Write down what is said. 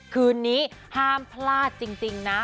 คืนนี้ห้ามพลาดจริงนะ